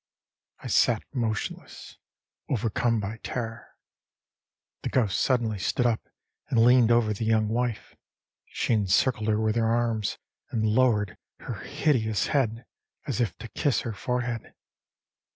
I sat motionless, overcome by terror. The ghost suddenly stood up and leaned over the young wife. She encircled her with her arms, and lowered her hideous head as if to kiss her forehead.